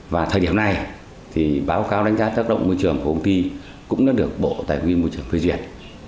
và thời điểm này thì báo cáo đánh giá tác động môi trường của công ty cũng đã được bộ tài nguyên môi trường phê duyệt